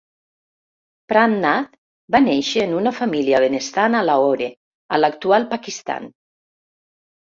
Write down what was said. Pran Nath va néixer en una família benestant a Lahore, a l'actual Pakistan.